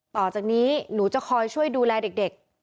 ต่อจากนี้หนูจะคอยช่วยดูแลเด็ก